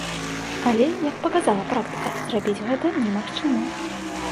Але, як паказала практыка, зрабіць гэта немагчыма.